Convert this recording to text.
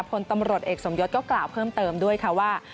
พลตำรวจเอกสมยศก็กล่าวเพิ่มเติมด้วยค่ะว่า